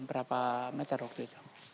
berapa meter waktu itu